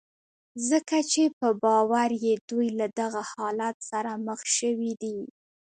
ځکه چې په باور يې دوی له دغه حالت سره مخ شوي دي.